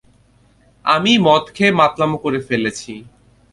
আমিই মদ খেয়ে মাতলামো করে ফেলেছি।